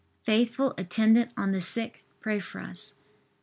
faithful attendant on the sick, pray for us.